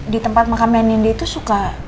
di tempat makamnya ninde itu suka